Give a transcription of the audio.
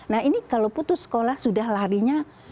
nah ini kalau putus sekolah sudah larinya